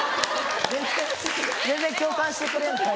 全然共感してくれない。